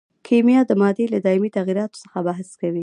کیمیا د مادې له دایمي تغیراتو څخه بحث کوي.